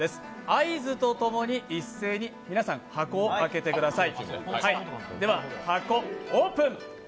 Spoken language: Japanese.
合図とともに一斉に皆さん、箱を開けてください。